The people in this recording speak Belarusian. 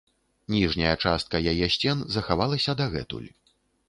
Ніжняя частка яе сцен захавалася дагэтуль.